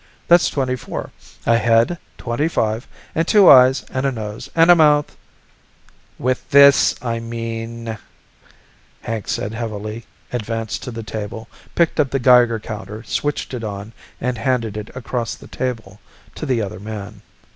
that's twenty four. A head, twenty five. And two eyes and a nose and a mouth " "With this, I mean," Hank said heavily, advanced to the table, picked up the Geiger counter, switched it on, and handed it across the table to the other man.